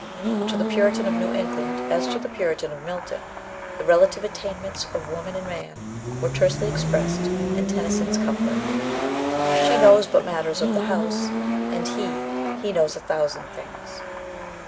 To the Puritan of New England, as to the Puritan Milton, the relative attainments of woman and man were tersely expressed in Tennyson's couplet: "She knows but matters of the house, And he, he knows a thousand things."